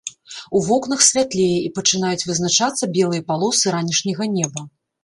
У вокнах святлее і пачынаюць вызначацца белыя палосы ранішняга неба.